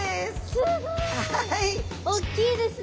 すごい！大きいですね！